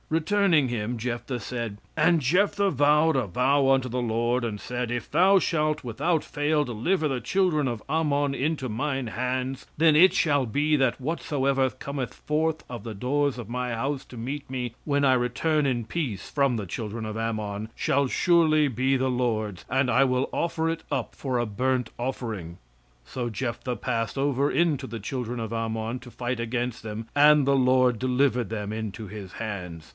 Returning him Jephthah said: "And Jephthah vowed a vow unto the Lord, and said, if thou shalt without fail deliver the children of Ammon into mine hands, "Then it shall be, that whatsoever cometh forth of the doors of my house to meet me, when I return in peace from the children of Ammon shall surely be the Lord's, and I will offer it up for a burnt offering. "So Jephthah passed over unto the children of Ammon to fight against them; and the Lord delivered them into his hands.